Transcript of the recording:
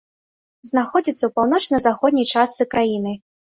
Знаходзіцца ў паўночна-заходняй частцы краіны.